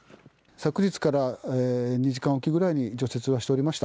昨日から２時間おきぐらいに除雪をしておりました。